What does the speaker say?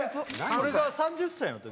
これが３０歳の時？